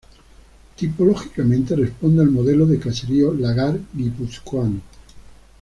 Tipológicamente responde al modelo de caserío lagar guipuzcoano.